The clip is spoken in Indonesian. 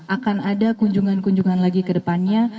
akan ada kunjungan kunjungan lagi ke depannya